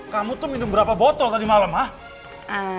kamu tuh minum berapa botol tadi malam ah